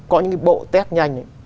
có những cái bộ test nhanh